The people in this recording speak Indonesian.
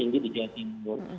itu tadi dihitung